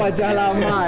wajah lama ya